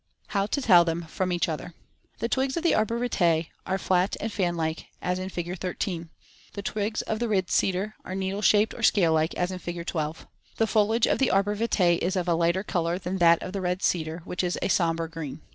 How to tell them from each other: The twigs of the arbor vitae are flat and fan like as in Fig. 13; the twigs of the red cedar are needle shaped or scale like as in Fig. 12. The foliage of the arbor vitae is of a lighter color than that of the red cedar, which is sombre green.